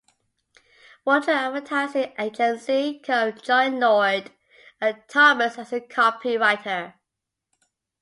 Waldron advertising agency, Cone joined Lord and Thomas as a copywriter.